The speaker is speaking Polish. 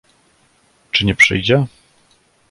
Czy nie przyjdzie?